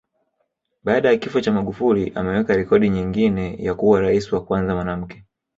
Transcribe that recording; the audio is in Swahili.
Baada ya kifo cha Magufuli ameweka rekodi nyingine ya kuwa Rais wa kwanza mwanamke